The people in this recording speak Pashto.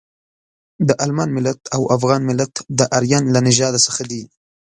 د المان ملت او افغان ملت د ارین له نژاده څخه دي.